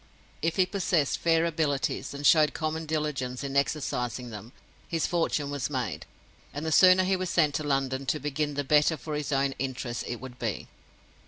If he possessed fair abilities and showed common diligence in exercising them, his fortune was made; and the sooner he was sent to London to begin the better for his own interests it would be.